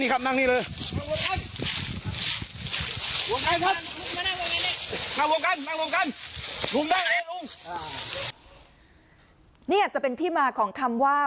แต่ลงกันนางลงกันหุ่มนั่งแหละหูกค่ะนี่อาจจะเป็นที่มาของคำว่า